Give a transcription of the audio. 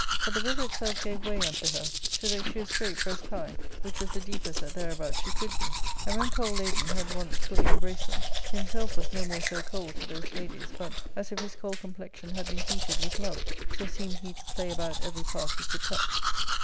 But the river itself gave way unto her, so that she was straight breast high, which was the deepest that thereabout s6e could be ; and when cold Ladon had once fully embraced them, himself was no more so cold to those ladies, but, as if "^^"^ his cold complexion had been heated with love, so seemed j he to play about every part he could touch.